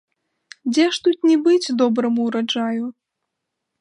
Дзе ж тут не быць добраму ўраджаю?